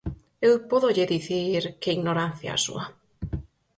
Eu pódolle dicir que ignorancia, a súa.